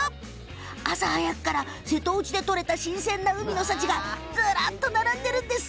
朝早くから瀬戸内で取れた新鮮な海の幸がずらりと並んでます！